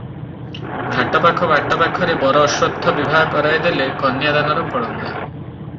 ଘାଟପାଖ ବାଟ ପାଖରେ ବର ଅଶ୍ୱତ୍ଥ ବିଭା କରାଇଦେଲେ କନ୍ୟା ଦାନର ଫଳ ମିଳେ ।